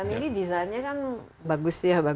sepedanya kan bagus ya